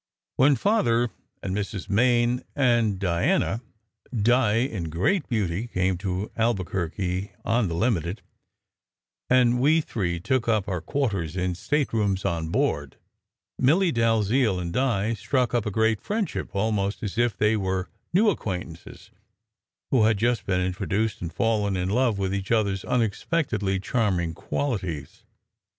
When Father and Mrs. Main and Diana (Di in great 161 162 SECRET HISTORY beauty) came to Albuquerque on the "Limited," and we three took up our quarters in staterooms on board, Milly Dalziel and Di struck up a great friendship, almost as if they were new acquaintances who had just been introduced and fallen in love with each other s unexpectedly charming qualities.